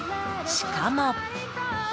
しかも。